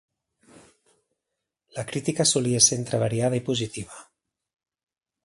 La crítica solia ser entre variada i positiva.